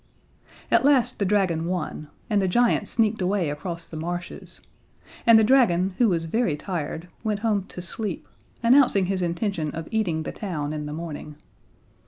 At last the dragon won, and the giant sneaked away across the marshes, and the dragon, who was very tired, went home to sleep, announcing his intention of eating the town in the morning.